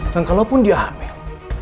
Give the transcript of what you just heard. dan kalaupun dia hamil